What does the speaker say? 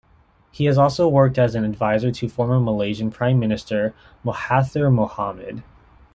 He has also worked as an advisor to former Malaysian Prime Minister Mahathir Mohamad.